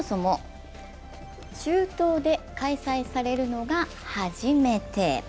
そもそも中東で開催されるのが初めて。